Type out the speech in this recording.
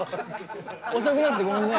遅くなってごめんね。